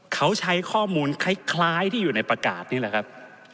เขาใช้ข้อมูลคล้ายที่อยู่ในประกาศนี่แหละครับ